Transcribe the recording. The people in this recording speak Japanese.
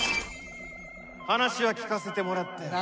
話は聞かせてもらったよ。